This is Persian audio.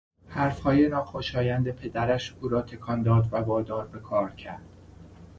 حرفهای ناخوشایند پدرش او را تکان داد و وادار به کار کرد.